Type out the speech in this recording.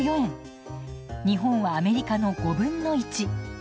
日本はアメリカの５分の１。